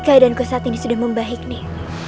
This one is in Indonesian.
keadaanku saat ini sudah membaik nih